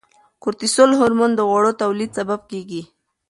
کورتیسول هورمون د غوړو ټولېدو سبب کیږي.